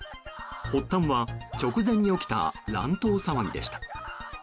発端は直前に起きた乱闘騒ぎでした。